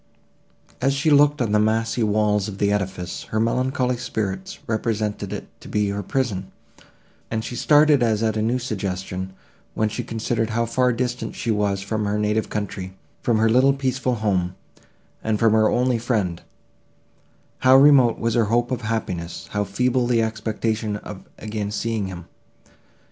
As she looked on the massy walls of the edifice, her melancholy spirits represented it to be her prison; and she started as at a new suggestion, when she considered how far distant she was from her native country, from her little peaceful home, and from her only friend—how remote was her hope of happiness, how feeble the expectation of again seeing him!